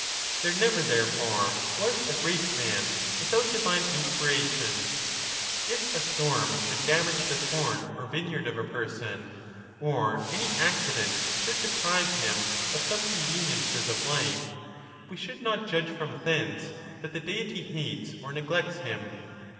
There never, therefore, was a great man without divine 'i inspiration. If a storm should damage the corn or vine ' yard of a person, or any accident should deprive him of some conveniences of life, we should not judge from thence that the Deity hates or neglects him.